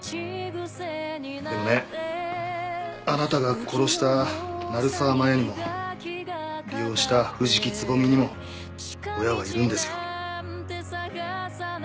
でもねあなたが殺した成沢真弥にも利用した藤木蕾にも親はいるんですよ。